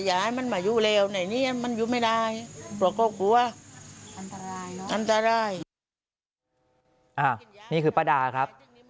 นี่คือป้าดาครับ